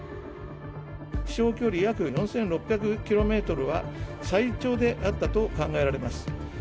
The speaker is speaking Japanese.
飛しょう距離約４６００キロメートルは、最長であったと考え